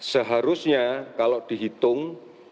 seharusnya kalau dihitung